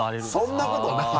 そんなことないよ。